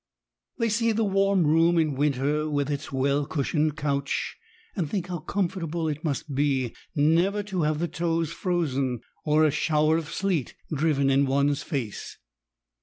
They see the warm room in winter, with its well cushioned couch, and think how comfortable it must be never to have the toes frozen, or a shower of sleet driven in one's face.